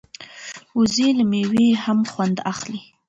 وزې له مېوې هم خوند اخلي